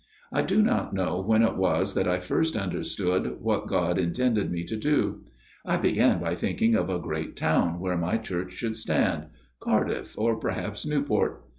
" I do not know when it was that I first under stood what God intended me to do. I began by thinking of a great town where my church should 96 A MIRROR OF SHALOTT stand Cardiff, ,or perhaps Newport.